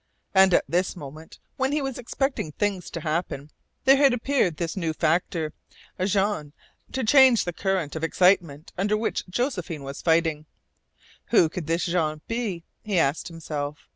And at this moment, when he was expecting things to happen, there had appeared this new factor, Jean, to change the current of excitement under which Josephine was fighting. Who could Jean be? he asked himself.